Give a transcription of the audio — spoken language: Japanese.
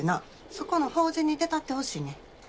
そこの法事に出たってほしいねん。